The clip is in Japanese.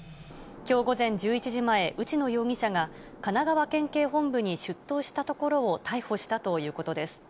きょう午前１１時前、内野容疑者が、神奈川県警本部に出頭したところを逮捕したということです。